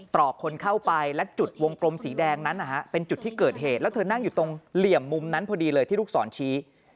รอบคนเข้าไปและจุดวงกลมสีแดงนั้นนะฮะเป็นจุดที่เกิดเหตุแล้วเธอนั่งอยู่ตรงเหลี่ยมมุมนั้นพอดีเลยที่ลูกศรชี้